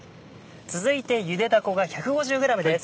続いてゆでだこが１５０ｇです。